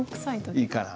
いいかな？